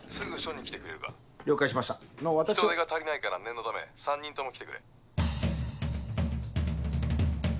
人手が足りないから念のため３人とも来てくれ。